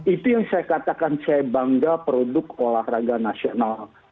itu yang saya katakan saya bangga produk olahraga nasional